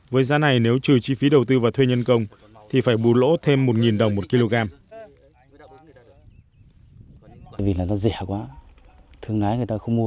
với giá này nếu trừ chi phí đầu tư và thuê nhân công thì phải bù lỗ thêm một đồng một kg